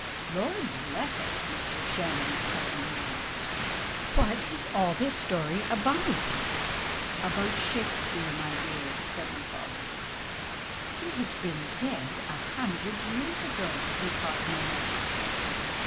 "" Lord bless us ! Mr. Shandy," cried my mother, " what is all this story about ?"" About Shakespeare, my dear," said my father. " He has been dead a hundred years ago," replied my mother.